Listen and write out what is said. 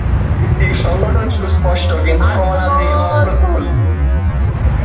এ সংঘটন সুস্পষ্ট কিন্তু এর প্রমাণাদি অপ্রতুল।